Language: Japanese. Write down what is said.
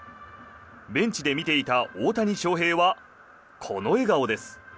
ベンチで見ていた大谷翔平はこの笑顔です。